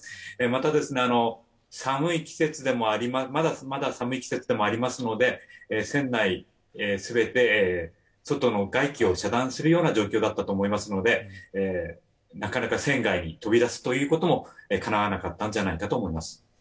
また、まだまだ寒い季節でもありますので船内全て、外気を遮断するような状況だったと思いますのでなかなか船外に飛び出すということもかなわなかったんじゃないかと思います。